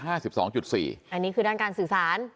อันนี้คือด้านการสื่อสาร